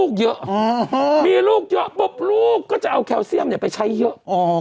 เยอะมีลูกเยอะปุ๊บลูกก็จะเอาแคลเซียมไปใช้เยอะ